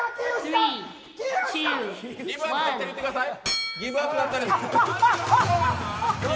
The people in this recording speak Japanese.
ギブアップだったら言ってください。